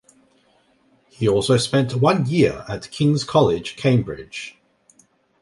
He also spent one year at King's College, Cambridge.